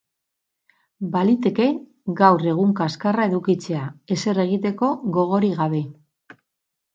Baliteke gaur egun kaskarra edukitzea, ezer egiteko gogorik gabe.